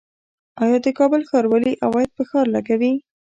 آیا د کابل ښاروالي عواید په ښار لګوي؟